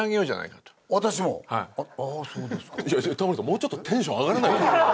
もうちょっとテンション上がらないと。